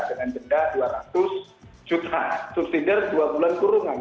dengan denda dua ratus juta subsidi dari dua bulan kurungan